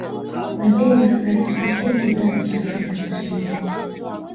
Mandela alikivutia kizazi cha Afrika Kusini